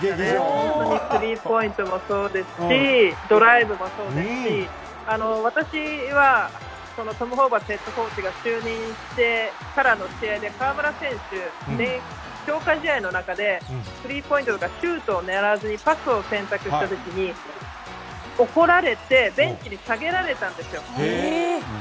本当にスリーポイントもそうですし、ドライブもそうですし、私はトム・ホーバスヘッドコーチが就任してからの、試合で、河村選手、強化試合の中で、スリーポイントとか、シュートを狙わずにパスを選択したときに、怒られて、ベンチに下げられたんですよ。